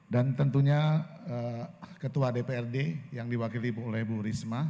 dan tentunya ketua dprd yang diwakili oleh bu risma